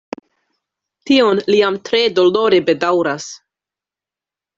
Tion li jam tre dolore bedaŭras.